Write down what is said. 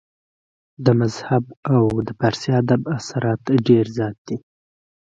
د مذهب او د فارسي ادب اثرات ډېر زيات دي